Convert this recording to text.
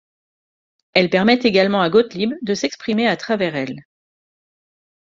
Elle permet également à Gotlib de s'exprimer à travers elle.